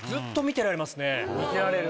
見てられる。